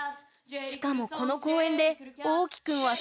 しかもこの公演でおうきくんはえ！